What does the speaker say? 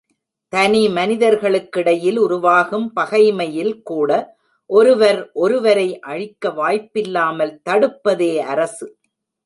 தனிமனிதர்களுக்கிடையில் உருவாகும் பகைமையில் கூட ஒருவர் ஒருவரை அழிக்க வாய்ப்பில்லாமல் தடுப்பதே அரசு.